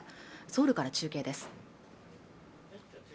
ソウルから中継です